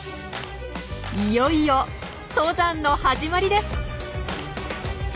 いよいよ登山の始まりです。